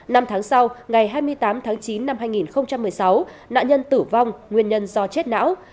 năm tháng sau ngày hai mươi tám tháng chín năm hai nghìn một mươi sáu nạn nhân tử vong nguyên nhân do chết não